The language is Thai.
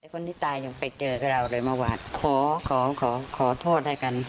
คนที่ตายยังไปเจอกับเราเลยเมื่อวานขอขอขอโทษให้กัน